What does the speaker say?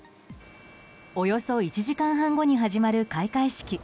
およそ１時間半後に始まる開会式。